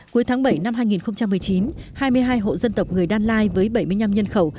cuối tháng bảy năm hai nghìn một mươi chín hai mươi hai hộ dân tộc người đan lai với bảy mươi năm nhân khẩu